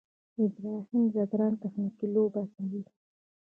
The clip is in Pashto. ابراهیم ځدراڼ تخنیکي لوبه کوي.